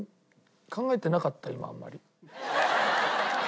考えてなかった今あんまり。